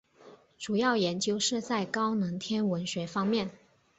主要研究是在高能天文学方面。